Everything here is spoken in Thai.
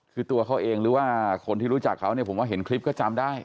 คือตัวเขาเองหรือว่าคนที่รู้จักเขาเนี่ยผมว่าเห็นคลิปก็จำได้